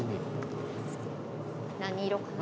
何色かな？